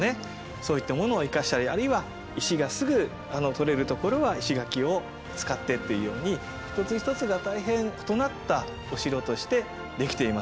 そういったものを生かしたりあるいは石がすぐ採れる所は石垣を使ってというように一つ一つが大変異なったお城として出来ています。